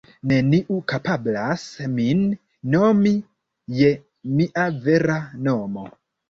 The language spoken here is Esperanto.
Neniu kapablas min nomi je mia vera nomo.